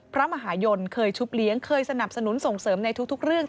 พระมหายนเคยชุบเลี้ยงเคยสนับสนุนส่งเสริมในทุกเรื่อง